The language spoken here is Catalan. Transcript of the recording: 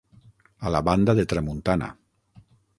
A la banda de tramuntana.